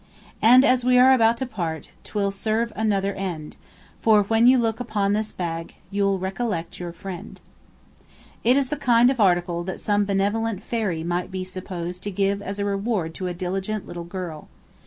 And, as we are about to part, 'T will serve another end: For, when you look upon this bag, You'll recollect your friend. It is the kind of article that some benevolent fairy might be supposed to give as a reward to a diligent little girl.